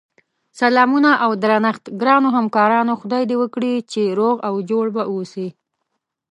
سلامونه اودرنښت ګراونوهمکارانو خدای دی وکړی چی روغ اوجوړبه اووسی